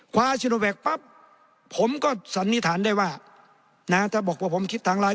ซิโนแวคปั๊บผมก็สันนิษฐานได้ว่านะถ้าบอกว่าผมคิดทางไลน์